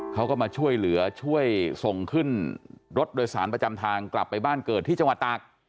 เขาก็มาช่วยเหลือช่วยส่งขึ้นรถโดยสารประจำทางกลับไปบ้านเกิดที่จังหวัดตาก